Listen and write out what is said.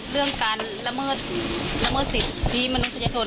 เรื่องการละเมิดสิทธิ์ที่มนุษยชน